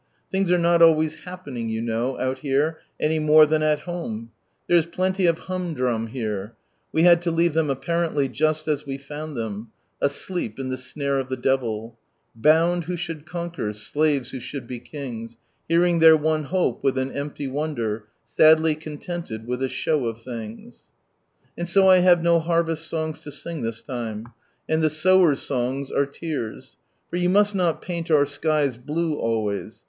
Things are not always "happening," you know, out here, any more than at home ; there is plenty of " humdrum" here. We had to leave them apparently just as we found them, asleep in the snare of the devil —" Bound, who should cooquer ; Slaves, who should lie kings ; Ntaring Ihtir one hofe luilk an tmfty weiider. Sadly laiiteiiltd u/ith a shirm of Ihingi." And so I have no harvest songs to sing this time. And the sower's songs are tears. For you must not paint our skies blue always.